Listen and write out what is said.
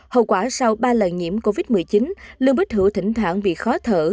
hậu quả sau ba lần nhiễm covid một mươi chín lương bích hữu thỉnh thoảng vì khó thở